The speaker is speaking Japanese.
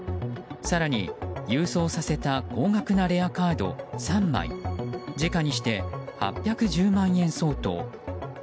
更に、郵送させた高額なレアカード３枚時価にして８１０万円相当。